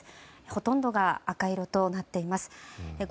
ほとんどが赤色となっています。